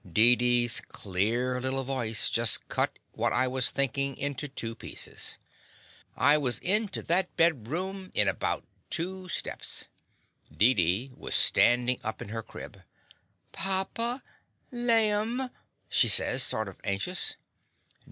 Deedee's clear little voice just cut what I was thinkin' into two pieces. I was into that bedroom in about two steps. Deedee was standin' up in her crib. "Papa, laim?'* she says, sort of anxious.